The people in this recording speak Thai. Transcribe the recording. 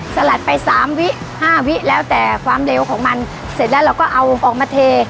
สลัดไปสามวิห้าวิแล้วแต่ความเร็วของมันเสร็จแล้วเราก็เอาออกมาเท